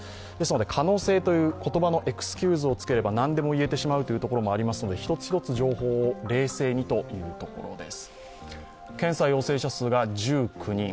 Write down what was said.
可能性という言葉のエクスキューズをつければ何でも言えてしまうというところもありますので１つ１つ情報を冷静にというところです。